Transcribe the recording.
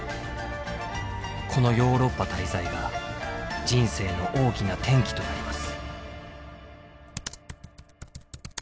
このヨーロッパ滞在が人生の大きな転機となります。